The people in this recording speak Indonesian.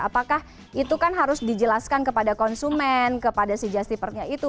apakah itu kan harus dijelaskan kepada konsumen kepada si justipernya itu